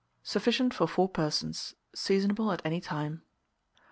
Sufficient for 4 persons. Seasonable at any time.